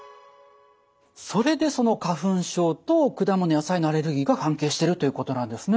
それでその花粉症と果物・野菜のアレルギーが関係してるということなんですね。